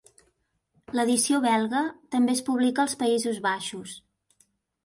L'edició belga també es publica als Països Baixos.